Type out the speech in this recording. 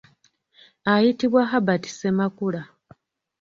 Ayitibwa Herbert Ssemakula .